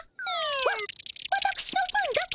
わわたくしの分だけない？